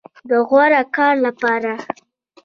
د غوره کار لپاره